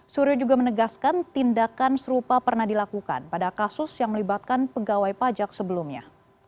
suryo juga menegaskan tindakan serupa pernah dilakukan pada kasus yang melibatkan pegawai pajak sebelumnya